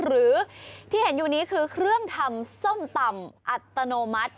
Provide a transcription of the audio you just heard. หรือที่เห็นอยู่นี้คือเครื่องทำส้มตำอัตโนมัติ